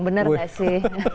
benar gak sih